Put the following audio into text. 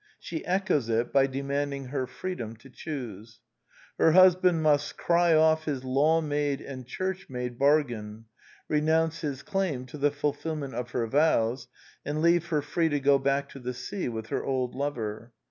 She echoes it by demanding her freedom to choose. Her husband must cry off his law made and Church made bar gain; renounce his claim to the fulfilment of her vows; and leave her free to go back to the sea with her old lover.